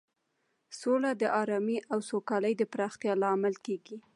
سوله د ارامۍ او سوکالۍ د پراختیا لامل کیږي.